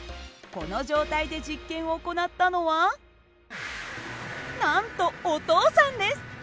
この状態で実験を行ったのはなんとお父さんです！